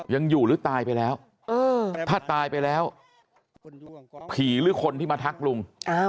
ยังอยู่หรือตายไปแล้วถ้าตายไปแล้วผีหรือคนที่มาทักลุง